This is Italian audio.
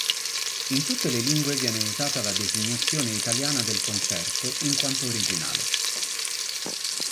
In tutte le lingue viene usata la designazione italiana del concerto, in quanto originale.